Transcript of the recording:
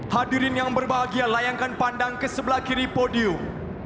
hadirin yang berbahagia layangkan pandang ke sebelah kiri podium